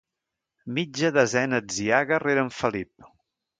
Mitja desena atziaga rere en Felip.